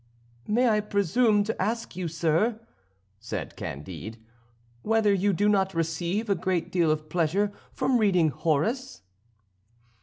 "May I presume to ask you, sir," said Candide, "whether you do not receive a great deal of pleasure from reading Horace?"